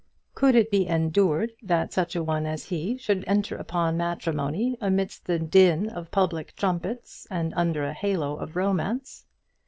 Could it be endured that such a one as he should enter upon matrimony amidst the din of public trumpets and under a halo of romance?